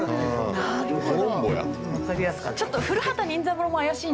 なるほど。